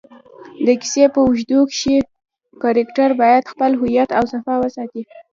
د کیسې په اوږدو کښي کرکټرباید خپل هویت اوصفات وساتي.